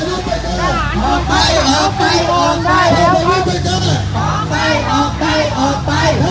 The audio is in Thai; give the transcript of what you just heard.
ออกไปออกไปออกไป